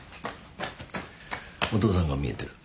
お父さんがみえてる。